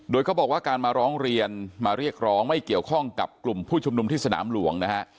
โดยเขาบอกว่าการมาร้องเรียนมาเรียกร้องไม่เกี่ยวข้องกับกลุ่มผู้ชุมนุมที่สนามหลวงนะฮะ